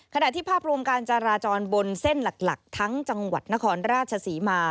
ที่ภาพรวมการจราจรบนเส้นหลักทั้งจังหวัดนครราชศรีมา